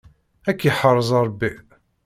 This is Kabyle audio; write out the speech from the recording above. Ad k-yeḥrez Ṛebbi.